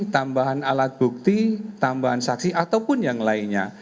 tambahan alat bukti tambahan saksi ataupun yang lainnya